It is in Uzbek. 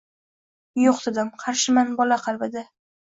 Yo’q,-dedim, — qarshiman, bola qalbida